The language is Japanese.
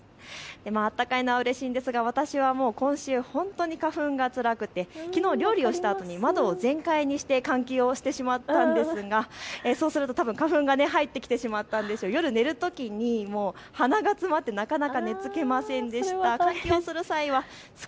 暖かいのはうれしいんですが私は今週、本当に花粉がつらくて、きのう料理をしたあとに窓を全開にして換気をしてしまったんですがそうすると花粉が入ってきてしまったんでしょう、夜寝るときに鼻が詰まってなかなか寝つけませんでした。